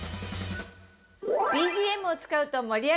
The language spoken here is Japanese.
ＢＧＭを使うと盛り上がるよ！